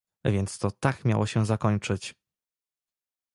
"więc to tak miało się zakończyć!"